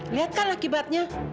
lihat kan akibatnya